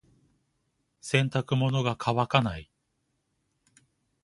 洗濯物が乾かない。